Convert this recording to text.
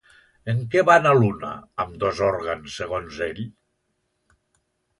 En què van a l'una, ambdós òrgans, segons ell?